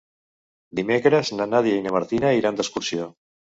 Dimecres na Nàdia i na Martina iran d'excursió.